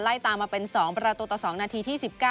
ตามมาเป็น๒ประตูต่อ๒นาทีที่๑๙